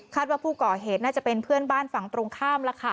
ว่าผู้ก่อเหตุน่าจะเป็นเพื่อนบ้านฝั่งตรงข้ามแล้วค่ะ